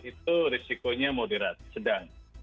itu risikonya moderat sedang